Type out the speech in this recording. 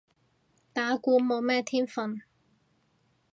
打鼓冇咩天份